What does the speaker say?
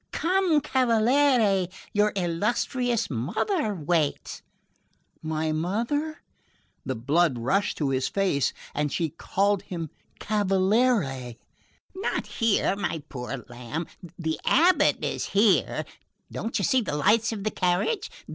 Come cavaliere, your illustrious mother waits." "My mother?" The blood rushed to his face; and she had called him "cavaliere"! "Not here, my poor lamb! The abate is here; don't you see the lights of the carriage?